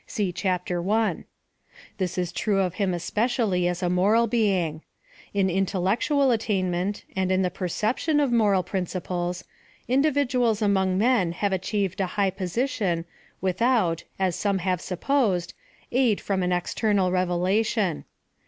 (See Chap. I.) This is true of him especially aa a moral being. In intellectual attainment, and in the perception of moral principles, individuals among men have achieved a high position with out, as some have supposed, aid from an external revelation.